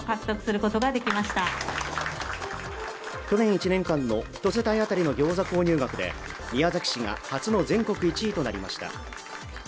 去年１年間の一世帯あたりのギョーザ購入額で宮崎氏が初の全国１位となりました